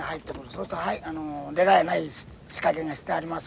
そうすると出られない仕掛けがしてありますから。